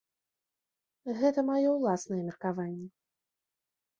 Гэта маё ўласнае меркаванне.